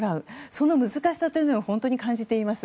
その難しさを本当に感じています。